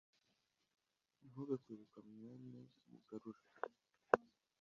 ntube kwibuka mwene mugarura